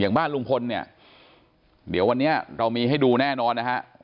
บ้านลุงพลเนี่ยเดี๋ยววันนี้เรามีให้ดูแน่นอนนะฮะ